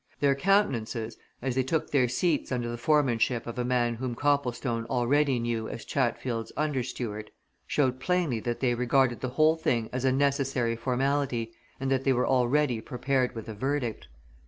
Their countenances, as they took their seats under the foremanship of a man whom Copplestone already knew as Chatfield's under steward, showed plainly that they regarded the whole thing as a necessary formality and that they were already prepared with a verdict.